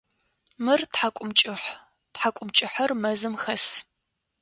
Мыр тхьакӏумкӏыхь, тхьакӏумкӏыхьэр мэзым хэс.